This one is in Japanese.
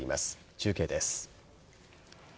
中継です。